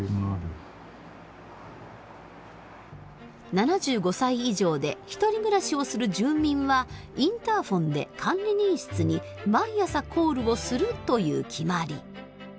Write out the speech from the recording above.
７５歳以上でひとり暮らしをする住民はインターフォンで管理人室に毎朝コールをするという決まり。